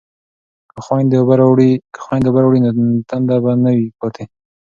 که خویندې اوبه راوړي نو تنده به نه وي پاتې.